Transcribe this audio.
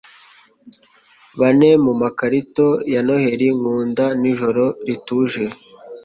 Bane mu makarito ya Noheri nkunda ni Ijoro rituje